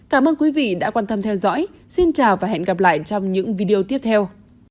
các bạn đã quan tâm theo dõi xin chào và hẹn gặp lại trong những video tiếp theo